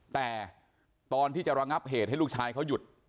แต่ตอนที่จะระงับเหตุให้ลูกชายเขาหยุด